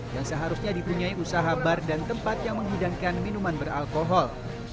yang seharusnya dipunyai usaha bar dan tempat yang menghidangkan minuman beralkohol